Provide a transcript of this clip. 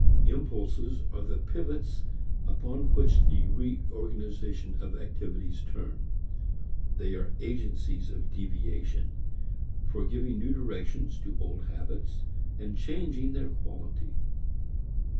Impulses are the pivots upon which the re organization of activities turn, they are agencies of deviation, for giving new directions to old habits and changing their quality.